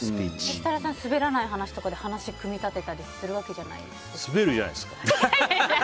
設楽さん、スベらない話とかで話、組み立てたりするわけじゃないですか。